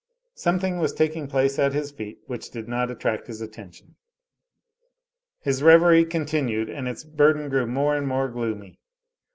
Something was taking place at his feet which did not attract his attention. His reverie continued, and its burden grew more and more gloomy.